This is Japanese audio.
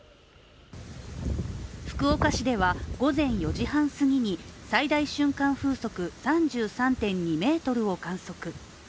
福岡市では、午前４時半すぎに最大瞬間風速３３．２メートルを観測。